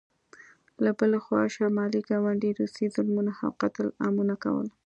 له بلې خوا شمالي ګاونډي روسیې ظلمونه او قتل عامونه کول.